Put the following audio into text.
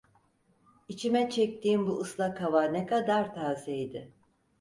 İçime çektiğim bu ıslak hava ne kadar tazeydi!